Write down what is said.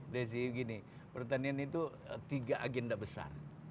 desi begini pertanian itu tiga agenda besar